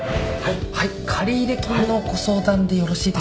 はい借入金のご相談でよろしいでしょうか？